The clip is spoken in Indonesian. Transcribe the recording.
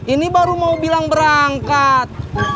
ini baru mau bilang berangkat